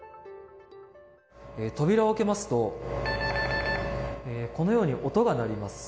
扉を開けますとこのように音が鳴ります。